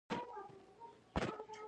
افغانستان د پسه کوربه دی.